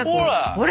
ほら！